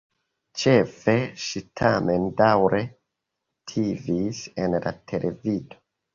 Ĉefe ŝi tamen daŭre aktivis en la televido.